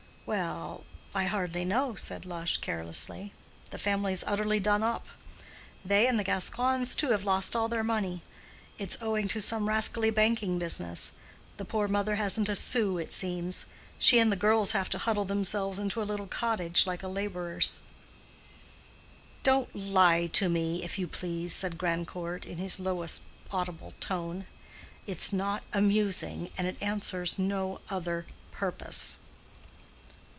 "Well, I hardly know," said Lush, carelessly. "The family's utterly done up. They and the Gascoignes too have lost all their money. It's owing to some rascally banking business. The poor mother hasn't a sou, it seems. She and the girls have to huddle themselves into a little cottage like a laborer's." "Don't lie to me, if you please," said Grandcourt, in his lowest audible tone. "It's not amusing, and it answers no other purpose."